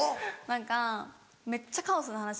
何かめっちゃカオスな話があって。